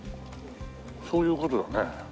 そういう事だね。